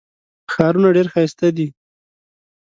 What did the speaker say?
ښارونه ډېر ښایسته دي.